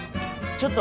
ちょっと！